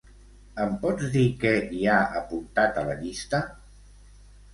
Em pots dir què hi ha apuntat a la llista?